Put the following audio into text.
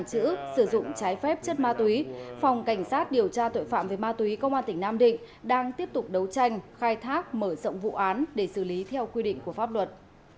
tàng trữ sử dụng trái phép chất ma túy phòng cảnh sát điều tra tội phạm về ma túy công an tỉnh nam định đang tiếp tục đấu tranh khai thác mở rộng vụ án để xử lý theo quy định của pháp luật